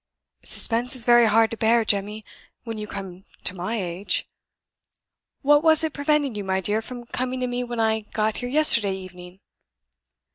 Suspense is very hard to bear, Jemmy, when you come to my age. What was it prevented you, my dear, from coming to me when I got here yesterday evening?"